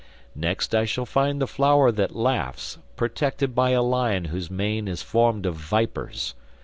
'Next I shall find the flower that laughs, protected by a lion whose mane is formed of vipers.